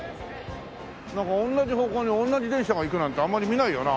なんか同じ方向に同じ電車が行くなんてあんまり見ないよな？